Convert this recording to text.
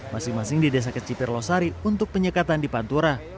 masing masing di desa kecipir losari untuk penyekatan di pantura